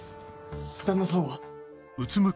旦那さんは？